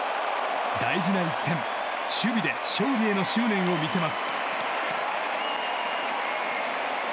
大事な一戦守備で勝利への執念を見せます。